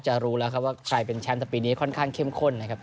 รู้แล้วครับว่าใครเป็นแชมป์แต่ปีนี้ค่อนข้างเข้มข้นนะครับ